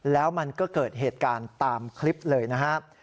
แล้วมันก็เกิดเหตุการณ์ตามคลิปเลยนะครับ